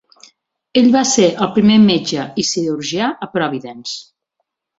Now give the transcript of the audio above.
Ell va ser el primer metge i cirurgià a Providence.